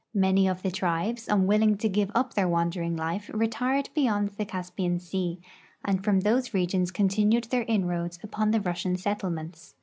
Many of the tribes, unwil ling to give up their wandering life, retired beyond the Caspian sea, and from those regions continued their inroads upon the Russian settlements.